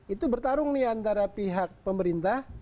itu bertarung nih antara pihak pemerintah